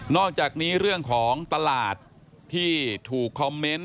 อกจากนี้เรื่องของตลาดที่ถูกคอมเมนต์